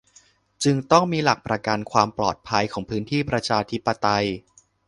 จึงต้องมีหลักประกันความปลอดภัยของพื้นที่ประชาธิปไตย